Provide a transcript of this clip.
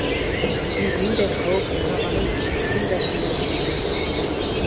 Һиңә ниндәй хәүеф янағанын ишеткең дә килмәйме ни?